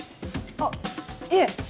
あっいえ。